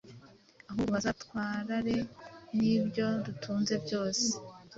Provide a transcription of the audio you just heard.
ahubwo bazatware n’ibyo dutunze byose.”